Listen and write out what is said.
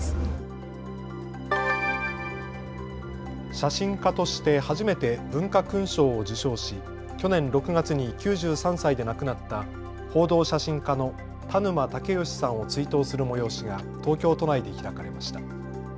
写真家として初めて文化勲章を受章し去年６月に９３歳で亡くなった報道写真家の田沼武能さんを追悼する催しが東京都内で開かれました。